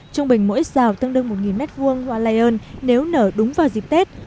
trung bình mỗi xào tương đương một m hai hoa lion nếu nở đúng vào dịp tết